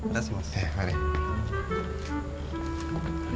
terima kasih mas